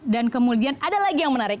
dan kemudian ada lagi yang menarik